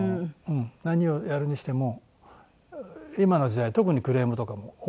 何をやるにしても今の時代特にクレームとかも多いじゃないですか。